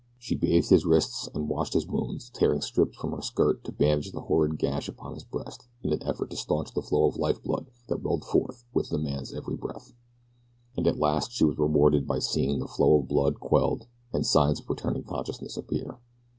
She bathed his wrists, and washed his wounds, tearing strips from her skirt to bandage the horrid gash upon his breast in an effort to stanch the flow of lifeblood that welled forth with the man's every breath. And at last she was rewarded by seeing the flow of blood quelled and signs of returning consciousness appear.